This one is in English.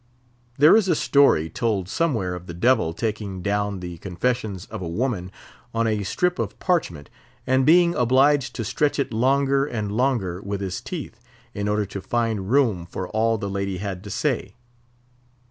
There is a story told somewhere of the Devil taking down the confessions of a woman on a strip of parchment, and being obliged to stretch it longer and longer with his teeth, in order to find room for all the lady had to say.